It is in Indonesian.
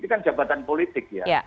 ini kan jabatan politik ya